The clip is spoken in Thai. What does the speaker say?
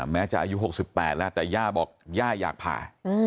แม้จะอายุ๖๘แล้วแต่ย่าบอกย่าอยากผ่า